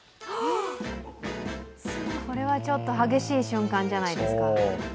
これはちょっと激しい瞬間じゃないですか。